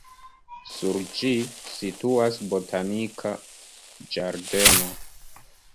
Sur ĝi situas botanika ĝardeno.